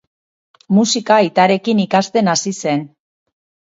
Musika aitarekin ikasten hasi zen.